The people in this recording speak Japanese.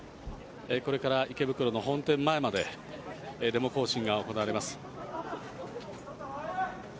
これから池袋の本店前までデモ行進が行われます。